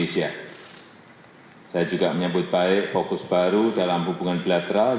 saya juga menyambut baik fokus baru dalam hubungan bilateral